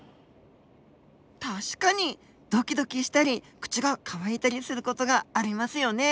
確かにドキドキしたり口が乾いたりする事がありますよね。